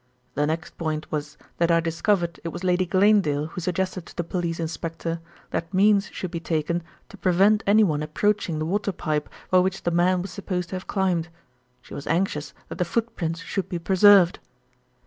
"The next point was that I discovered it was Lady Glanedale who suggested to the police inspector that means should be taken to prevent anyone approaching the water pipe by which the man was supposed to have climbed. She was anxious that the footprints should be preserved.